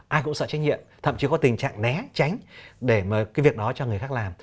ai cũng sợ trách nhiệm thậm chí có tình trạng né tránh để mà cái việc đó cho người khác làm